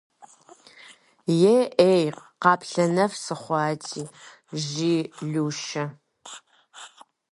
Е-ӏей, къаплъэнэф сыхъуати!- жи Лушэ.